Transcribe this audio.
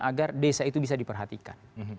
agar desa itu bisa diperhatikan